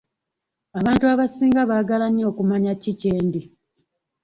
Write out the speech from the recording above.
Abantu abasinga baagala nnyo okumanya ki kyendi.